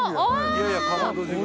いやいやかまど地獄。